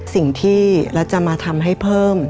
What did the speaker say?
สิ่งที่แล้วจะมาทำให้เพิ่ม